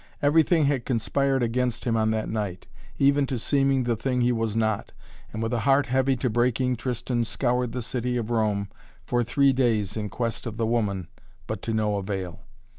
Everything had conspired against him on that night, even to seeming the thing he was not, and with a heart heavy to breaking Tristan scoured the city of Rome for three days in quest of the woman, but to no avail.